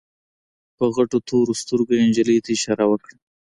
په غټو تورو سترګو يې نجلۍ ته اشاره وکړه.